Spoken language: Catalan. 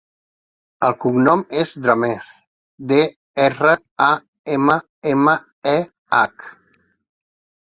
El cognom és Drammeh: de, erra, a, ema, ema, e, hac.